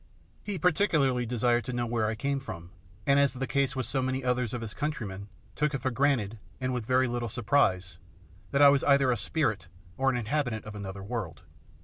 He particularly desired to know where I came from, and, as in the case with so many other of his countrymen, took it for granted, and with very little surprise, that I was either a spirit or an inhabitant of another world.